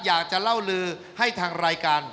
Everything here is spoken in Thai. อยากจะเล่าลือให้ทางรายการ